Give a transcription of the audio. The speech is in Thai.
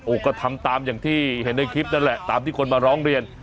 ก็ทำตามอย่างที่เห็นในคลิปนั่นแหละตามที่คนมาร้องเรียน